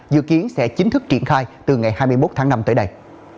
dự kiến sẽ chính thức triển khai từ ngày hai mươi một tháng năm tới đây